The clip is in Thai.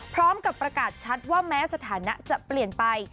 พร้อมกับประกาศชัดว่าแม้สถานะจะเปลี่ยนไป